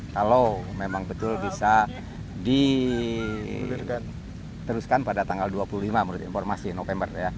kalau memang betul bisa diteruskan pada tanggal dua puluh lima menurut informasi november ya